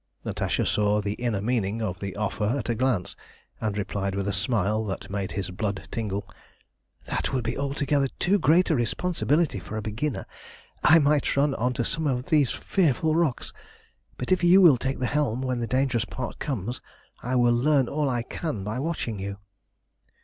Natasha saw the inner meaning of the offer at a glance, and replied with a smile that made his blood tingle "That would be altogether too great a responsibility for a beginner. I might run on to some of these fearful rocks. But if you will take the helm when the dangerous part comes, I will learn all I can by watching you."